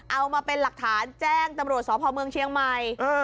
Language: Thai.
เอามาเป็นหลักฐานแจ้งตำรวจสพเมืองเชียงใหม่